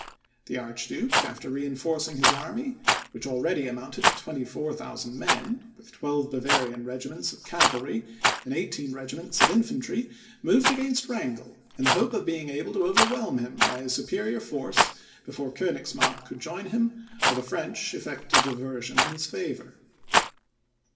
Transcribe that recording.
The Archduke, after reinforcing his army, which already amounted to 24,000 men, with twelve Bavarian regiments of cavalry, and eighteen regiments of infantry, moved against Wrangel, in the hope of being able to overwhelm him by his superior force before Koenigsmark could join him, or the French effect a diversion in his favour.